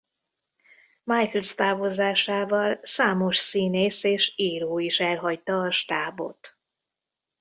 Michaels távozásával számos színész és író is elhagyta a stábot.